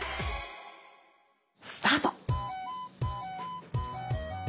スタート。